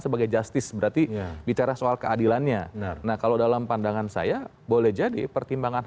sebagai justice berarti bicara soal keadilannya nah kalau dalam pandangan saya boleh jadi pertimbangan